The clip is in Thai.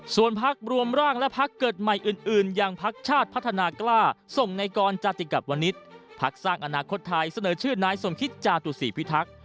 ส่วนพักรวมร่างและพักเกิดใหม่อื่นอย่างพักชาติพัฒนากล้าส่งในกรจาติกับวนิษฐ์พักสร้างอนาคตไทยเสนอชื่อนายสมคิตจาตุศีพิทักษ์